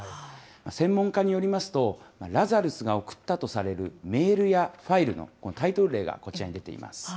専門家によりますと、ラザルスが送ったとされるメールやファイルのタイトル例がこちらに出ています。